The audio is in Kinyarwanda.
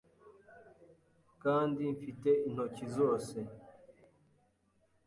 kandi mfite intoki zose